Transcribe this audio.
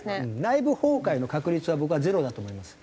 内部崩壊の確率は僕はゼロだと思います。